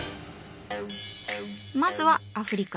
まずはアフリカ。